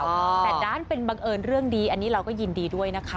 แต่ด้านเป็นบังเอิญเรื่องดีอันนี้เราก็ยินดีด้วยนะคะ